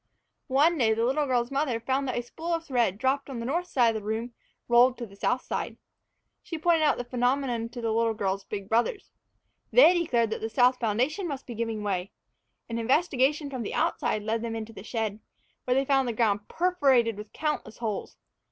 One day the little girl's mother found that a spool of thread dropped on the north side of the room rolled to the south side. She pointed out the phenomenon to the little girl's big brothers. They declared that the south foundation must be giving way. An investigation from the outside led them into the shed, where they found the ground perforated with countless holes.